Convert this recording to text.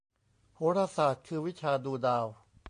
โหราศาสตร์คือวิชาดูดาว